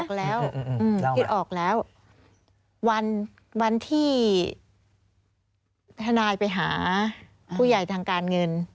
อ๋อคิดออกแล้วคิดออกแล้ววันที่ทนายไปหาผู้ใหญ่ทางการเงิน